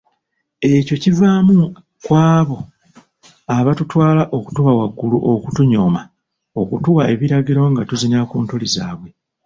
Ekyo kivaamu kw'abo aba tutwala okutuba waggulu okutunyooma, okutuwa ebiragiro nga tuzinira ku ntoli zaabwe.